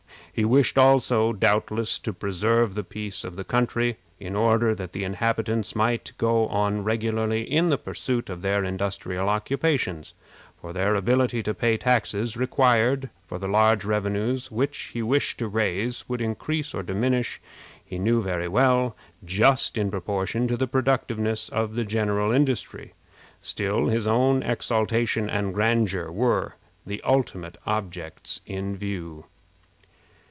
He wished also, doubtless, to preserve the peace of the country, in order that the inhabitants might go on regularly in the pursuit of their industrial occupations, for their ability to pay the taxes required for the large revenues which he wished to raise would increase or diminish, he knew very well, just in proportion to the productiveness of the general industry; still, his own exaltation and grandeur were the ultimate objects in view.